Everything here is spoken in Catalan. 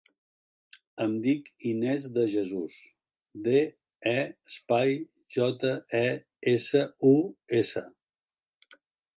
Em dic Inés De Jesus: de, e, espai, jota, e, essa, u, essa.